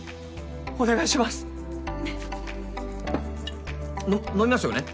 お願いしますの飲みますよね？